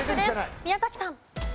宮崎さん。